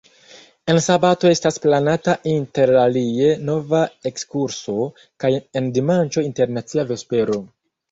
En sabato estas planata interalie nova ekskurso, kaj en dimanĉo internacia vespero.